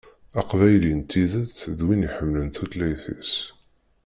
Aqbayli n tidet d win iḥemmlen tutlayt-is.